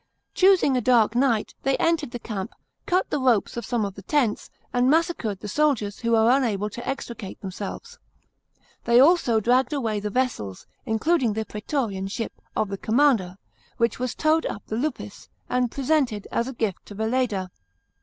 Choosing a dark night, they entered the camp, cut the ropes of some of the tents, and massacred the soldiers who were unaUe to extricate themselves. They also dragged away the vessels, including the "prsetorian ship" of the commander, which was towed up the Luppia, and presented as a gift to Veleda.